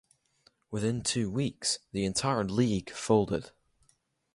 Within two weeks the entire league folded.